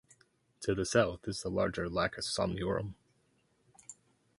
To the south is the larger Lacus Somniorum.